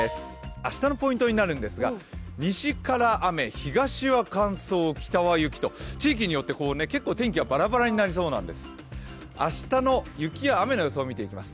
明日のポイントになるんですが西から雨、東は乾燥、北は雪と地域によって結構天気がばらばらになりそうなんてす。